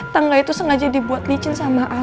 tangga itu sengaja dibuat licin sama ayah